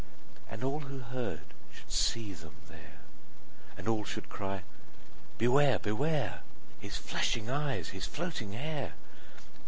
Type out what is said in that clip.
And all who heard should see them there, And all should cry, Beware! Beware! His flashing eyes, his floating hair!